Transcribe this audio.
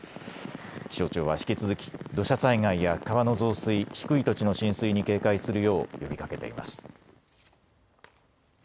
気象庁は引き続き土砂災害や川の増水、低い土地の浸水に警戒するよう呼びかけています。